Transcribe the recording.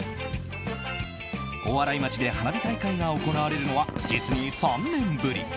大洗町で花火大会が行われるのは実に３年ぶり。